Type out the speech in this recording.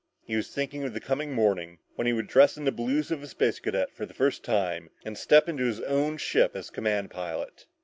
He was thinking of the coming morning when he would dress in the blues of a Space Cadet for the first time and step into his own ship as command pilot.